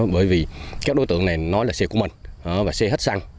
bởi vì các đối tượng này nói là xe của mình và xe hết xăng